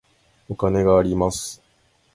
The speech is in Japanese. お金があります。